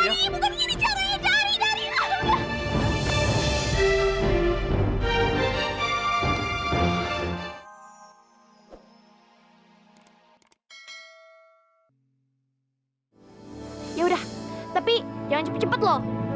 ya udah tapi jangan cepet cepet loh